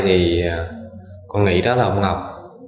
tùng nghĩ đó là ông ngọc